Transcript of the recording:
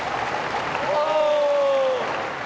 お！